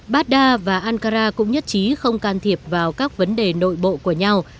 baghdad và ankara cũng nhất trí không can thiệp vào các vấn đề nội bộ của nhau